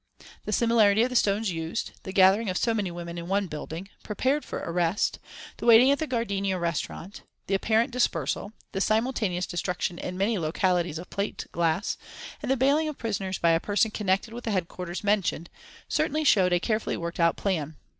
The similarity of the stones used; the gathering of so many women in one building, prepared for arrest; the waiting at the Gardenia Restaurant; the apparent dispersal; the simultaneous destruction in many localities of plate glass, and the bailing of prisoners by a person connected with the headquarters mentioned, certainly showed a carefully worked out plan.